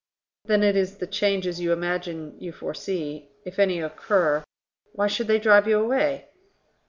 "Then it is the changes you imagine you foresee ... If any occur, why should they drive you away?"